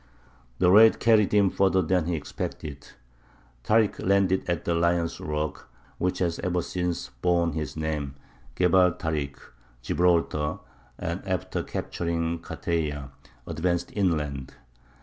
The raid carried him further than he expected. Tārik landed at the lion's rock, which has ever since borne his name, Gebal Tarik, Gibraltar, and after capturing Carteya, advanced inland.